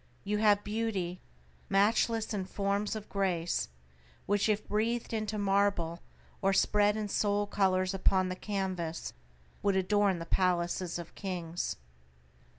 You have beauty, matchless in forms of grace, which if breathed into marble, or spread in soul colors upon the canvass would adorn the palaces of kings.